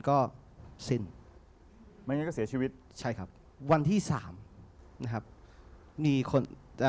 ก็สิ้นไม่งั้นก็เสียชีวิตใช่ครับวันที่สามนะครับมีคนอ่า